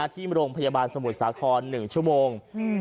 ที่โรงพยาบาลสมุทรสาคร๑ชั่วโมง